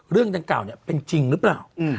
เรื่องดังกล่าวเนี่ยเป็นจริงหรือเปล่า